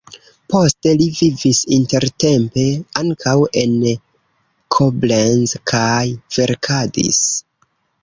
Poste li vivis intertempe ankaŭ en Koblenz kaj verkadis.